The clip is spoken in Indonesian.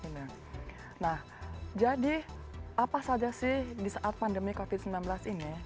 nah jadi apa saja sih di saat pandemi covid sembilan belas ini